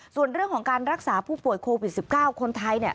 ส่วนเรื่องของการรักษาผู้ป่วยโควิด๑๙คนไทย